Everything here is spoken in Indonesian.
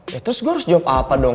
ya terus gue harus jawab apa dong